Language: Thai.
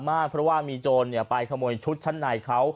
มากเพราะว่ามีโจรเนี่ยไปขโมยชุดชั้นในเขาครับ